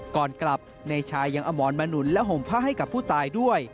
ก่อนกลับนายชายังเอาหมอนมาหนุนและห่มผ้าให้กับผู้ตายด้วย